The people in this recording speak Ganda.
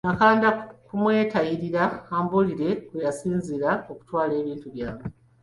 Nakanda kumwetayirira ambuulire kwe yasinziira okutwala ebintu byange.